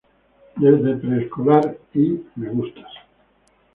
desde preescolar. y me gustas.